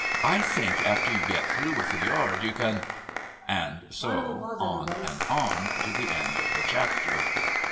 I think after you get through with the yard you can " And so on and so on, to the end of the chapter!